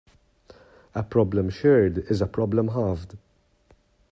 A problem shared is a problem halved.